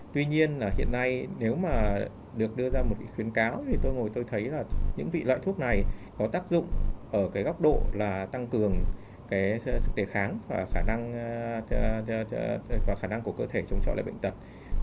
tuy nhiên là hiện nay nếu mà được đưa ra một khuyến cáo thì tôi ngồi tôi thấy là những vị loại thuốc này có tác dụng ở cái góc độ là tăng cường cái sức đề kháng và khả năng và khả năng của cơ thể chống trọi lại bệnh tật